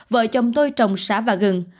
vợ chồng tôi trồng xả và gừng